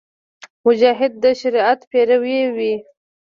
مجاهد د شریعت پیرو وي.